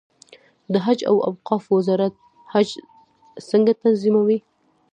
د حج او اوقافو وزارت حج څنګه تنظیموي؟